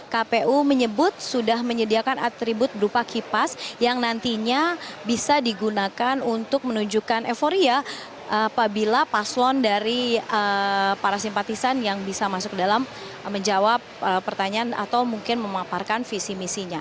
kpu menyebut sudah menyediakan atribut berupa kipas yang nantinya bisa digunakan untuk menunjukkan euforia apabila paslon dari para simpatisan yang bisa masuk ke dalam menjawab pertanyaan atau mungkin memaparkan visi misinya